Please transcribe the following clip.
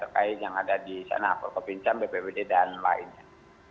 terkait yang ada di sana apo pabinca bppd dan lainnya